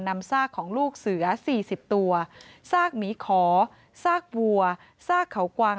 ซากของลูกเสือ๔๐ตัวซากหมีขอซากวัวซากเขากวาง